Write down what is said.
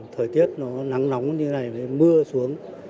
thời tiết nó nắng nóng như thế này mưa xuống